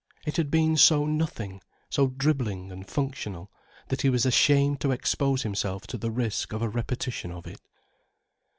It had been so nothing, so dribbling and functional, that he was ashamed to expose himself to the risk of a repetition of it.